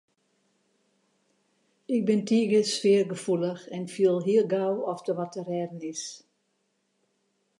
Ik bin tige sfeargefoelich en fiel hiel gau oft der wat te rêden is.